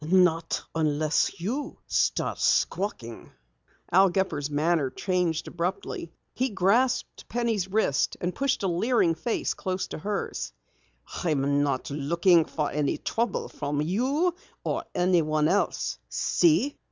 "Not unless you start squawking." Al Gepper's manner changed abruptly. He grasped Penny's wrist and pushed a leering face close to hers. "I'm not looking for any trouble from you or anyone else see!